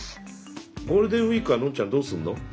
ゴールデンウイークはノンちゃんどうすんの？